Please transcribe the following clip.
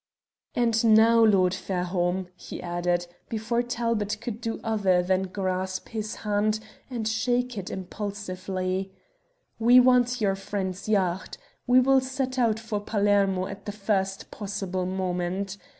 "And now, Lord Fairholme," he added, before Talbot could do other than grasp his hand and shake it impulsively, "we want your friend's yacht. We will set out for Palermo at the first possible moment.